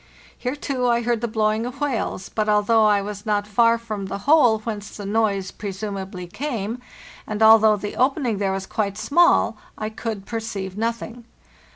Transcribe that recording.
Here, too, I heard the blowing of whales, but although I was not far from the hole whence the noise presumably came, and although the opening there was quite small, I could per ceive nothing.